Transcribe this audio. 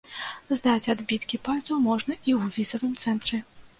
Здаць адбіткі пальцаў можна і ў візавым цэнтры.